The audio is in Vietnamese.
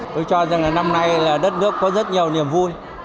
tôi cho rằng là năm nay là đất nước có rất nhiều niềm vui